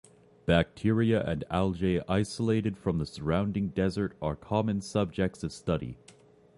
Bacteria and algae isolated from the surrounding desert are common subjects of study.